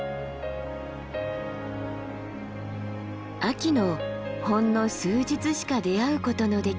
秋のほんの数日しか出会うことのできない輝き。